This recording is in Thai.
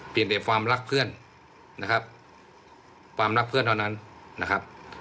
แต่ความรักเพื่อนนะครับความรักเพื่อนเท่านั้นนะครับ